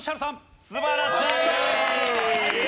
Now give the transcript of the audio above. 素晴らしい！